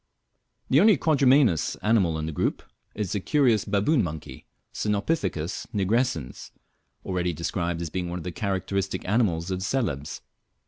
The only quadrumanous animal in the group is the curious baboon monkey, Cynopithecus nigrescens, already described as being one of the characteristic animals of Celebes.